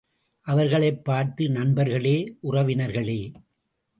அவர்களைப் பார்த்து, நண்பர்களே, உறவினர்களே!